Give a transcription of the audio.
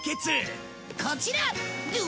こちら！